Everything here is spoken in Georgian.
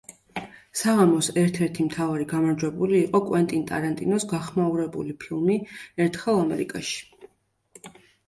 საღამოს ერთ-ერთი მთავარი გამარჯვებული იყო კვენტინ ტარანტინოს გახმაურებული ფილმი „ერთხელ ამერიკაში“.